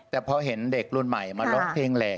แต่พอเห็นเด็กรุ่นใหม่มาร้องเพลงแหลก